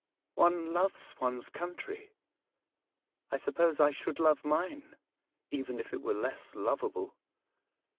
*' One loves one's country. I suppose I should love mine, even if it were less lovable."